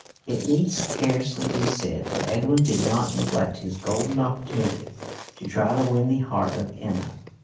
It need scarcely be said that Edwin did not neglect this golden opportunity to try to win the heart of Emma.